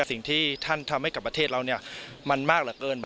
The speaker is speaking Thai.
สิ่งที่ท่านทำให้กับประเทศเรามันมากเหลือเกิน